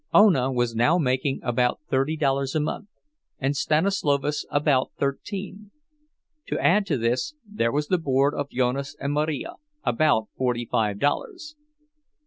Ona was now making about thirty dollars a month, and Stanislovas about thirteen. To add to this there was the board of Jonas and Marija, about forty five dollars.